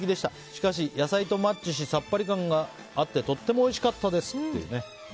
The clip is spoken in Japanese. しかし、野菜とマッチしさっぱり感があってとてもおいしかったです。